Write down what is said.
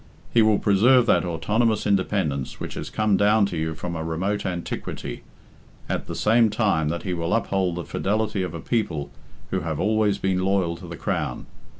He will preserve that autonomous independence which has come down to you from a remote antiquity, at the same time that he will uphold the fidelity of a people who have always been loyal to the Crown.